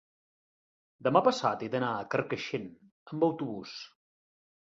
Demà passat he d'anar a Carcaixent amb autobús.